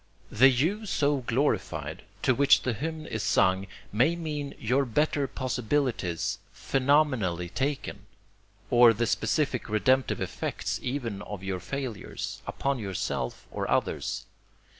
The you so glorified, to which the hymn is sung, may mean your better possibilities phenomenally taken, or the specific redemptive effects even of your failures, upon yourself or others.